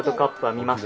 見ました。